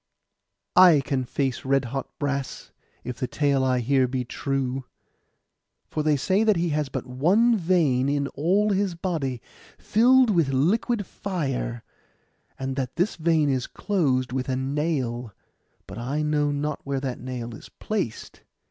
'I can face red hot brass, if the tale I hear be true. For they say that he has but one vein in all his body, filled with liquid fire; and that this vein is closed with a nail: but I know not where that nail is placed.